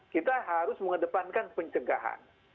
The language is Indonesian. kita harus mengedepankan pencegahan